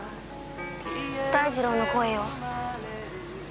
大二郎の声よ。